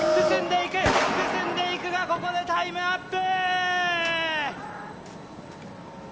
あ進んでいくがここでタイムアップ